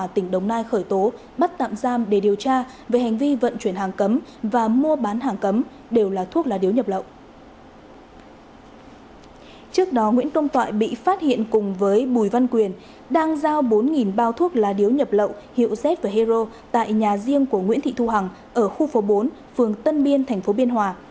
trước đó nguyễn công toại bị phát hiện cùng với bùi văn quyền đang giao bốn bao thuốc lá điếu nhập lậu hiệu z v hero tại nhà riêng của nguyễn thị thu hằng ở khu phố bốn phường tân biên tp biên hòa